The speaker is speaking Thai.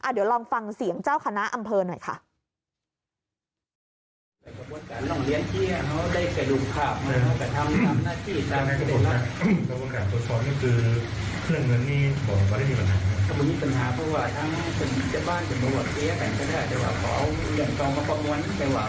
เดี๋ยวลองฟังเสียงเจ้าคณะอำเภอหน่อยค่ะ